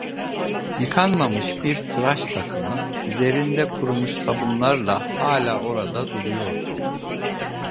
Yıkanmamış bir tıraş takımı, üzerinde kurumuş sabunlarla, hâlâ orada duruyordu.